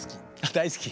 大好き。